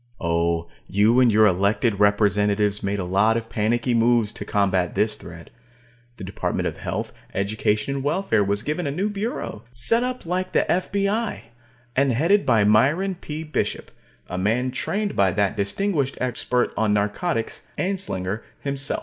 Oh, you and your elected representatives made a lot of panicky moves to combat this threat. The Department of Health, Education, and Welfare was given a new Bureau, set up like the F.B.I., and headed by Myron P. Bishop, a man trained by that distinguished expert on narcotics, Anslinger, himself.